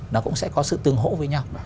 nó cũng sẽ có sự tương hổ với nhau